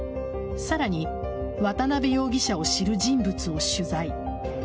さらに渡辺容疑者を知る人物を取材。